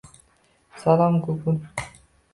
Salom Google!